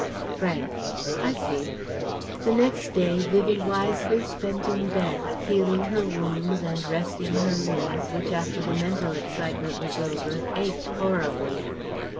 Frank: "I see." The next day Vivie wisely spent in bed, healing her wounds and resting her limbs which after the mental excitement was over ached horribly.